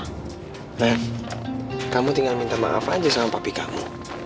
nah kamu tinggal minta maaf aja sama papi kamu